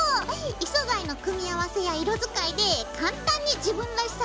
異素材の組み合わせや色使いで簡単に自分らしさを出せちゃうよ。